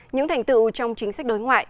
những thành tựu trong chính sách đối ngoại